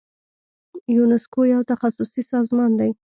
یونسکو یو تخصصي سازمان دی.